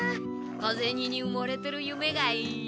小ゼニにうもれてるゆめがいい。